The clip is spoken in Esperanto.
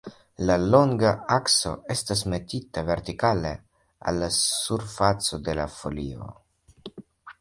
La longa akso estas metita vertikale al la surfaco de la folio.